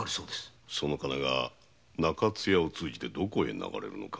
その金が中津屋を通じどこへ流れるのか。